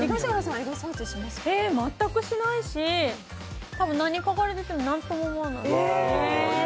全くしないし、何書かれてても何とも思わないです。